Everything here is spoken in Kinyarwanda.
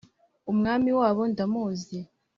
umwami wabo ndamuzi.